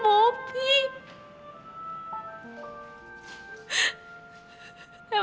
emang opi salah apa tante